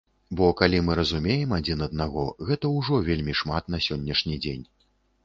Бо калі мы разумеем адзін аднаго, гэта ўжо вельмі шмат на сённяшні дзень.